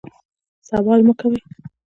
سوال مه کوئ